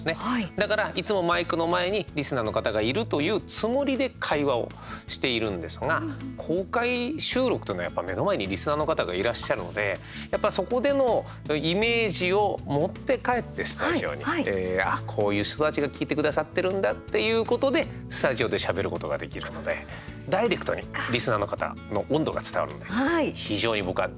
だから、いつもマイクの前にリスナーの方がいるというつもりで会話をしているんですが公開収録っていうのは、やっぱり目の前にリスナーの方がいらっしゃるのでそこでのイメージを持って帰ってスタジオに、こういう人たちが聞いてくださってるんだっていうことでスタジオでしゃべることができるのでダイレクトにリスナーの方の温度が伝わるので非常に僕は大好きですね。